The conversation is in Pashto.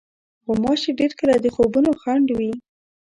غوماشې ډېر کله د خوبونو خنډ وي.